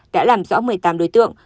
đã làm rõ một mươi tám đối tượng